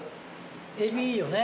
エビいいよね。